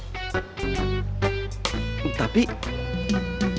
bagaimana kalau pak kemet yang benar